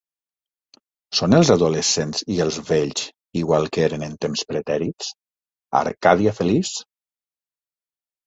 Són els adolescents i els vells igual que eren en temps pretèrits? Arcàdia feliç?